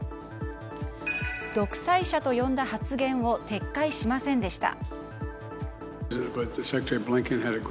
独裁者と呼んだ発言を撤回しませんでした。